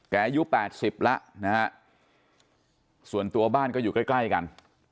อายุ๘๐แล้วนะฮะส่วนตัวบ้านก็อยู่ใกล้กัน